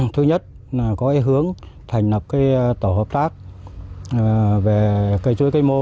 thứ nhất là có hướng thành lập tổ hợp tác về cây chuối cây mô